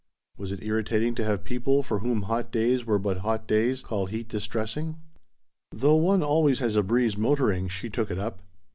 Was it irritating to have people for whom hot days were but hot days call heat distressing? "Though one always has a breeze motoring," she took it up.